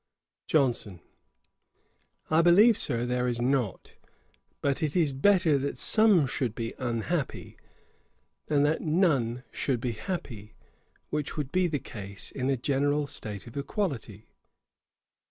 JOHNSON. 'I believe, Sir, there is not; but it is better that some should be unhappy, than that none should be happy, which would be the case in a general state of equality.'